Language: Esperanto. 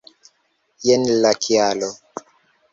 Jen la kialo.